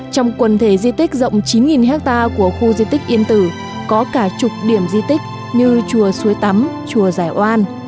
trong quần thể di tích rộng chín hectare của khu di tích yên tử có cả chục điểm di tích như chùa suối tắm chùa giải oan